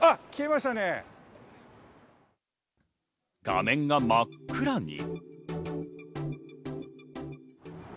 画面が真っ暗に。